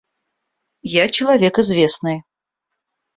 Я человек известный.